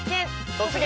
「突撃！